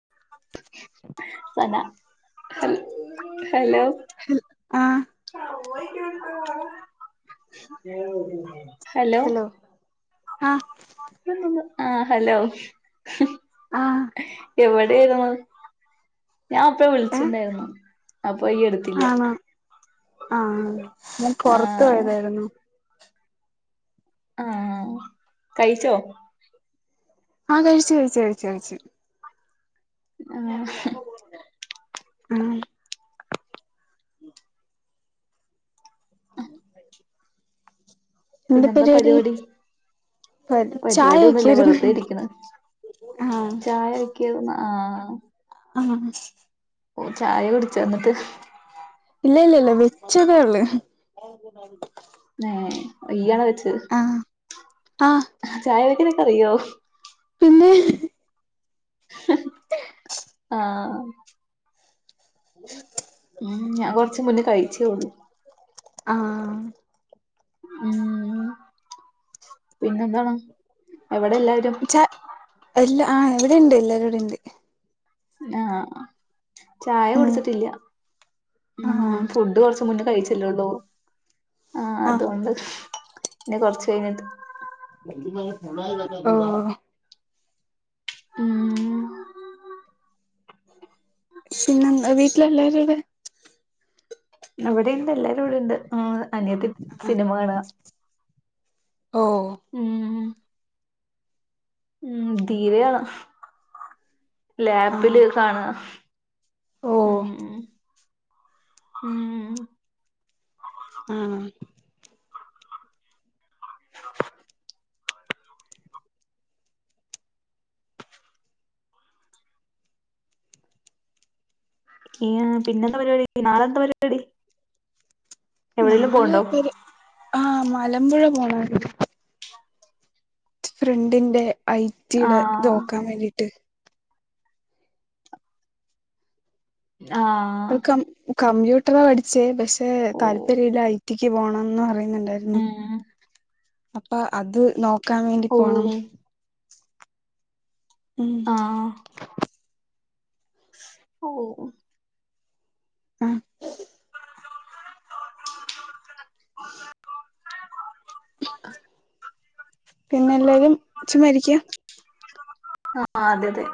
[unintelligible] Hello ആഹ് [unintelligible] hello ആ ആ hello ആഹ് എവിടൊയിരുന്നു? ഞാൻ അപ്പഴ ഏ വിളിച്ചിട്ടുണ്ടായിരുന്നു അപ്പ യ്യ് ടുത്തില്ല. ആ ഞൻ പുറത്ത് പോയതായിരുന്നു. അ ആ കഴിച്ചോ? ആ കഴിച്ചു കഴിച്ചു കഴിച്ചു കഴിച്ചു ആ ആ [unintelligible] പിന്നെന്താ പരിപാടി ചായ പരിപാടിയൊന്നുല്ല വെക്കായിരുന്നു വെറുതെ ഇരിക്ക്ണ് ആഹ് ചായ ഒക്കിര് ന്നാ ആ ഓ ചായ കുടിച്ചോ അന്നിട്ട് ഇല്ല ഇല്ല ഇല്ല വെച്ചതെള്ളൂ ആഹ് നിയാണോ വെച്ചത് ആഹ് ചായ വെക്ക്ണ അറിയോ പിന്നെ ആഹ് [inaudible] ഉം ഞാൻ കൊറച്ച് മുന്നേ കഴിച്ചോളൂ ആഹ് ഉം പിന്നെ എന്താണ് എവിടെ എല്ലാരും എല്ല ആ ഇവിടെയുണ്ട് എല്ലരുംവിടെ ഉണ്ട് ആഹ് ചായ ഉം കുടുച്ചിട്ടില്ല ഉം ആഹ് ഫുഡ് കുറച്ച മുന്നേ കഴിച്ചല്ലള്ളൂ ആഹ് ഓഹ് അതുകൊണ്ട് പിന്നെ കൊറച്ച് കഴിഞ്ഞട്ട് [unintelligible] ആഹ് ഉം പിന്നെ എന്താ വീട്ടില എല്ലരും എവിടെ ഇവിടെ ഇണ്ട് എല്ലാരും ഇവിടെണ്ട് ആഹ് അനിയത്തി സിനിമ കാണുക ഓഹ് ഉം ഉം ധീരയാണ് ലാപ്പില് ആഹ് കാണുക ഉം ഓഹ് ഉം ഉം ആഹ് [inaudible] ഈ പിന്നെന്താ പരിപാടി നാളെ എന്താ പരിപാടി എവിടെലും നാളെ പോവ്ണ്ടോ ഒരു ആഹ് മലമ്പുഴ പോണരുന്നു ഫ്രണ്ടിന്റെ ഐ റ്റിടെ ആഹ് നോക്കാൻ വേണ്ടിട്ട് ആഹ് അവൾ കം കമ്പ്യൂട്ടറാ പഠിച്ചേ പക്ഷെ ഓഹ് താല്പര്യ ഇല്ല ഐ ടിക്ക് പോകണംന്ന് പറ ണണ്ടായി ഉം അപ്പൊ അത് നോക്കാൻ വേണ്ടി പോണം ഓഹ് ഉം ഓ ആഹ് [unintelligible] പിന്നെ എല്ലാരും ച മരിക്കാ ആഹ് അതെ അതെ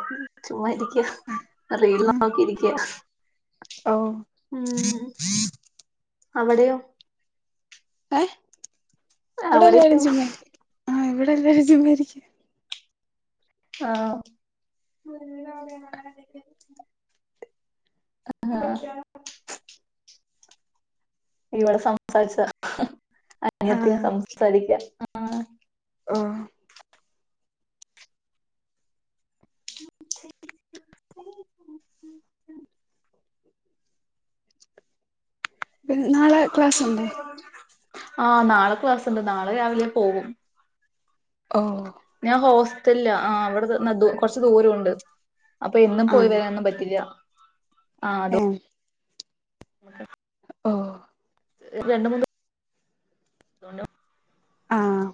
ചുമ്മാ ഇരിക്ക [unintelligible] ആ നോക്കി ഇരിക്ക ഓ അവിടെയോ ഏഹ് ഇവിടെ എല്ലാരും അവിടെയോ ചുമ്മാ ഇരിക്കുവാ ആഹ് ഇവിടെ എല്ലാരും ചുമ്മാരിക്കുവാ ആഹ് ആഹ് ഇവിടെ സംസാരിച്ച ആ അനിയത്തി സംസാരിക്കാ ആഹ് ആഹ് പിന്നേ നാളെ ക്ലാസ്ണ്ടോ ആഹ് നാളെ ക്ലാസ്ണ്ട് നാളെ രാവിലെ പോവും ഓഹ് ഞാൻ ഹോസ്റ്റലിലാ ആഹ് അവിടെത് ന്ന് കൊറച്ച് ദൂരോണ്ട് അപ്പൊ എന്നും പോയി ആണ് വരാനൊന്നും പറ്റില്ല ആഹ് അതോ ഏ [unintelligible] ഓഹ് രണ്ട് മൂന്ന് [unintelligible] ആഹ്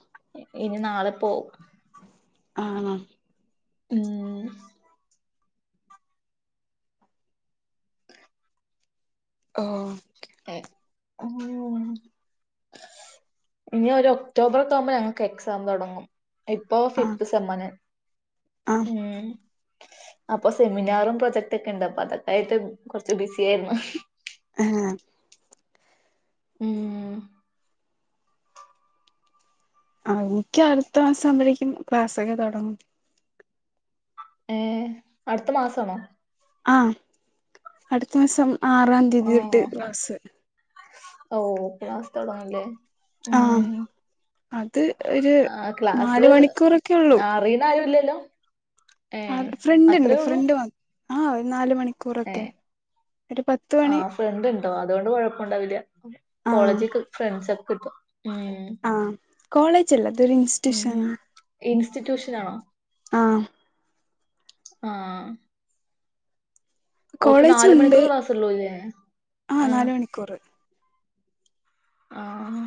ഇനി നാളെ പോവും ആണ ഉം ആഹ് ഏഹ് ഉം ഇനി ഒരു ഒക്ടോബറൊക്കെ ആവുമ്പ ഞങ്ങക്ക് എക്സാം തുടങ്ങും ഇപ്പൊ ആ ഫിഫ്ത്ത് സെമ്മന് ആ ഉം അപ്പൊ സെമിനാറും പ്രൊജക്റ്റ്‌ ഒക്കെ ഇണ്ട് അപ്പൊ അതക്കായിട്ട് കൊറച്ച് ബിസി ആയിരുന്നു ഏ ഉം ആഹ് എനിക്ക് അടുത്ത മാസം ആവുമ്പോഴേക്കും ക്ലാസ്സൊക്കെ തുടങ്ങും ഏഹ് അടുത്ത മാസണോ ആഹ് അടുത്ത മാസം ആറാം തീയതി തൊട്ട് ക്ലാസ്സ് ഓഹ് ക്ലാസ്സ്‌ തൊടങ്ങൻലെ ആ ഉം അത് ഒരു ആ നാല് ക്ലാസ് മണിക്കൂറൊക്കെ ഉള്ളൂ അറിയുന്ന ആരുല്ലല്ലോ ഏ ആഹ് ഫ്രണ്ട് ഉണ്ട് അത്രേ ഉള്ളൂ ഫ്രണ്ട് വ ആഹ് ഒരു നാല് മണിക്കൂറൊക്കെ ഒരു പത്ത് മണി ആഹ് ഫ്രണ്ട് ഇണ്ടോ അതുകൊണ്ട് കൊഴപ്പുണ്ടാവുല ആ കോളേജ്ക്കെ ഫ്രണ്ട്സാ [unintelligible] ഉം കോളേജ് അല്ല അതൊരു ഉം ഇൻസ്റ്റ്യൂഷൻ ഇൻസ്റ്റിറ്റ്യൂഷൻ ആണോ ആഹ് ആഹ് ഓഹ് ഇപ്പൊ നാല് കോളേജുണ്ട് മണിക്കൂർ ക്ലാസ്സുള്ളൂല്ലേ ആ ഈഹ് നാല് മണിക്കൂറ് ആഹ്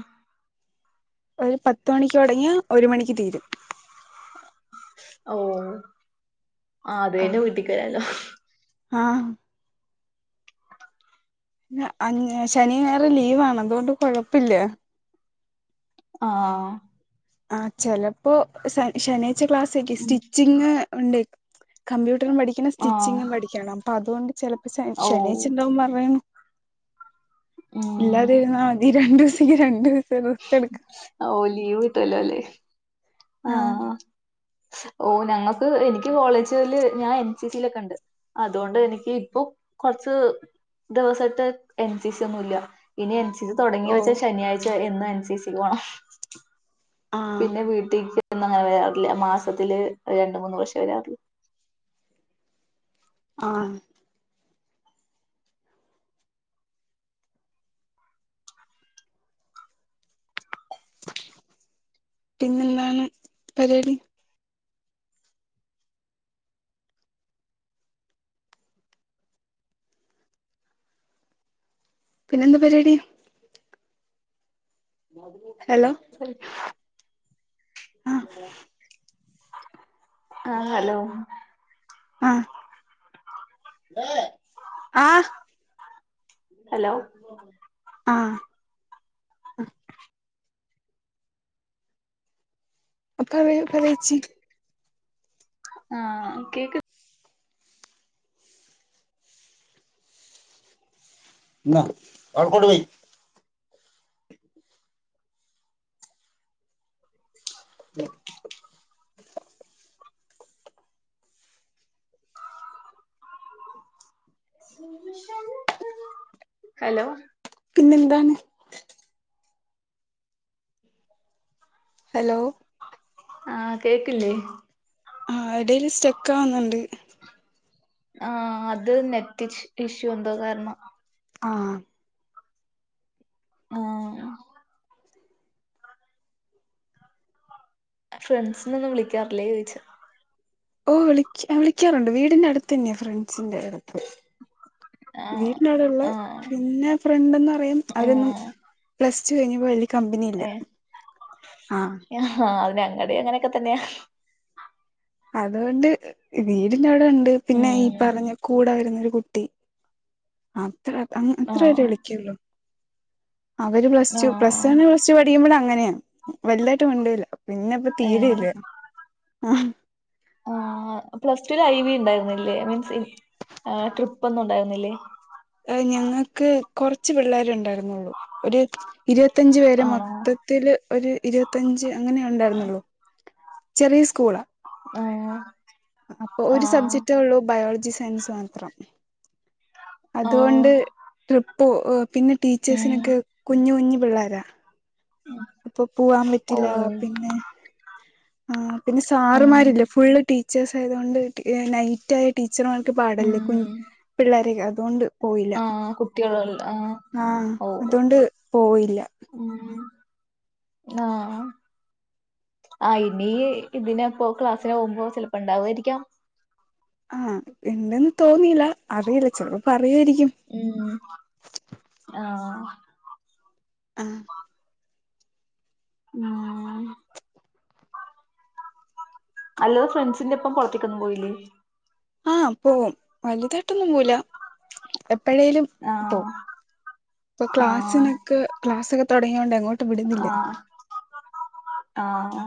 ഒരു പത്ത് മണിക്ക് തുടങ്ങിയ ഒരു മണിക്ക് തീരും ഓഹ് അത് കഴിഞ്ഞ വീട്ട്ക്ക് വരല്ലോ ആഹ് [unintelligible] ശനിം ഞായറും ലീവാണ് അതുകൊണ്ട് കൊഴപ്പില്ല ആഹ് ആഹ് ചെലപ്പോ ശനിയാഴ്ച ക്ലാസ്സാക്കി ഉം സ്റ്റിച്ചിങ് ഉണ്ട് കമ്പ്യൂ ട്ടറും പഠിക്കണം ആഹ് സ്റ്റിച്ചിങ്ങും പഠിക്കണം അപ്പൊ അതുകൊണ്ട് ചിലപ്പോ ശ ഓ ശനിയാഴ്ച ഉണ്ടാവും പറയ് ഉം ഇല്ലാതിരുന്ന മതി രണ്ടു ദിവസേങ്കി രണ്ടു ദിവസം റേസ്റ്റ് എടുക്കാം റ്റൂലല്ലേ ആഹ് ഓഹ് ഞങ്ങക്ക് എനിക്ക് കോളേജില് ഞാൻ എൻ സി സിലൊക്കാ ഉണ്ട് അതുകൊണ്ട് എനിക്ക് ഇപ്പോ കുറച്ച് ദിവസത്തെ എൻ സി സി ഒന്നും ഇല്ല ഇനി എൻ ഇത് തൊടങ്ങി ഓ വെച്ച ശനിയാഴ്ച്ച വരെ എന്നും എൻസിസിക്ക് പോണം ആ പിന്നെ വീ ന്നങ്ങനെ വരാറ്ല്ല മാസത്തില് രണ്ട് മൂന്ന് വർഷെ വരാറ്ള്ളു ആഹ് പിന്നെന്താണ് പരിപാടി പിന്നെന്താ പര്പാടി [unintelligible] സെരി ആ ആ അലോ ആ ആ ആ ഹലോ അ അ പറയൂ പറേച്ചി ആ കേക്ക് ന്നാ അവൾക്ക് കൊട്ത്തേയ് ഹലോ ക്ക്ന്നെന്താണ് ഹലോ ആ കേക്ക്ല്ലേ ആ എടേല് സ്റ്റെക്കാവ്ന്ന്ണ്ട് ആ അത് നെറ്റ് ഇഷ് ഇഷ്യൂ എന്തോ കാരണം ആ ആ ഫ്രണ്ട്സിനൊന്നും വിളിക്കാറില്ലേ ചോയ്ച്ചാ ഓ വിളിക്ക് അ വിളിക്കാറൊണ്ട് വീടിന്റെ അട്ത്ത്ന്നെയാ ഫ്രണ്ട്സിന്റെ അട്ത്ത് ആ വീട്ടിനവ്ടെള്ളെ ആ പിന്നെ ഫ്രണ്ടെന്ന് പറയും ആ അവരൊന്നും പ്ലസ് റ്റു കയ്ഞ്ഞപ്പ [unintelligible] ഏ ആഹ് ആ അത് ഞങ്ങടെം അങ്ങനെക്കെ തന്നെയാ അത്കൊണ്ട് വീടിന്റെ അവിടെണ്ട് പിന്നെ ഈ ഉം പറഞ്ഞ കൂടെ വര്ന്ന ര് കുട്ടി അത്ര അ ആ അത്ര പേരെ വിളിക്ക്യൊള്ളു അവര് പ്ലസ് ആ two plus one plus two പഠിക്കുമ്പഴെ അങ്ങനെയാ വൽതായിട്ട് മിണ്ടൂലാ പിന്നെ പ്പ ഏ തീരെയില്ല ആഹ് ആ പ്ലസ്റ്റൂല് ഐവിണ്ടായ്ര്ന്നില്ലേ മീൻസ് എ ട്രിപ്പാെന്നും ഉണ്ടാര്ന്നില്ലേ? എ ഞങ്ങക്ക് കൊറ്ച്ച് പിള്ളരെ ണ്ടാര് ന്നൊള്ളു ഒര് ഇരുപത്തഞ്ച് പേര് ആണോ മൊത്തത്തില് ഒര് ഇരുപത്തഞ്ച് അങ്ങനെ ഒണ്ടാര്ന്നൊള്ളു ചെറിയ സ്കൂളാ ആ അപ്പം ആ ഒരു സബ്ജക്ട്റ്റേ ഒള്ളൂ ബയോൾ ജി സയൻസ് മാത്രം ആ അതോണ്ട് ട്രിപ്പ് പിന്നെ ഉം ടീച്ചേഴ്സിനൊക്കെ കുഞ്ഞി കുഞ്ഞി പിള്ളാരാ അപ്പ പോവാൻ ഓ പറ്റില്ല പിന്നെ ആ പിന്നെ ഉം സാറുമാരില്ല ഫുള്ള് ടീച്ചേഴ്സ് ആയതുകൊണ്ട് ടി ഏ നൈറ്റാ ടീച്ചർമാർക്ക് പാടല്ലേ കുൻ പിള്ളേരെക്കെ അത്കൊണ്ട് ആഹ് കുട്ടികള്ല്ലെ ആ ആഹ് ഓ ഒ അതുകൊണ്ട് പോയില്ല ഉം ആ ആ ഇനി ഇതിനപ്പാെ ക്ലാസ്സ്ന് പോവ്മ്പോ ചെൽപ്പ ണ്ടാവായ്രിക്കാം ആ ഇണ്ടെന്ന് തോന്നിയില്ല അറിയില്ല ചെൽപ്പ പറയുവായ്രിക്കും ഉം ആഹ് ആ ഊം ഹലോ ഫ്രണ്ട്സിന്റെപ്പം പൊർത്തേക്കൊന്നും പോയില്ലേ ആഹ് പോവും വലുതായിട്ടൊന്നും പോവൂല എപ്പഴേലും പോവും ആഹ് ഇപ്പൊ ആഹ് ക്ലാസ്സിനൊക്കെ ക്ലാസ്സൊക്കെ തൊടങ്ങിയൊണ്ട് എങ്ങോ ആഹ് ആഹ്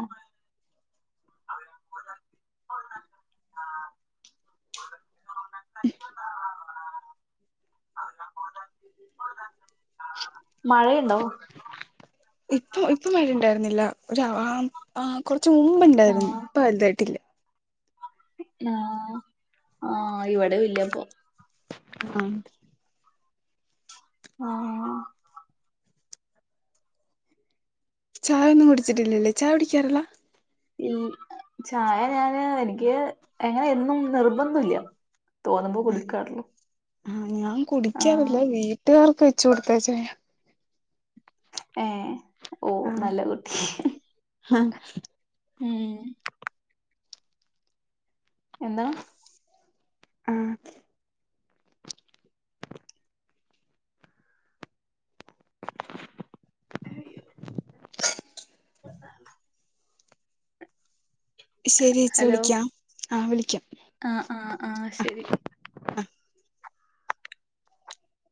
മഴയെണ്ടോ? ഇപ്പ ഇപ്പ മഴ ഇണ്ടാരുന്നില്ല ഒര് ആ ആ കൊറച്ച് മുമ്പ് ഇണ്ടാരുന്നു ആഹ് ഇപ്പ വലുതായിട്ടില്ല. ആഹ് ആഹ് ഇവടേം ഇല്ലാപ്പൊ ആഹ് ആഹ് ചായ ഒന്നും കുടിച്ചിട്ടില്ലല്ലേ ചായ കുടിക്കാറില്ല? ഇൽ ചായ ഞാന് എനിക്ക് അങ്ങനെ എന്നും നിർബന്ധില്ല തോന്നുമ്പോ കുടിക്കാറൊള്ളു ആഹ് ഞാൻ കുടിക്കാറില്ല വീട്ടുകാർക്ക് വെച്ച് കൊടുത്തെ ചായ. ഏഹ് ഓ നല്ല കുട്ടി. ആഹ്. ഉം എന്താ? ആഹ് ശെരി ഏച്ചി വിളിക്കാം ആഹ് വിളിക്കാം ആ ആ ആഹ് ശെരി.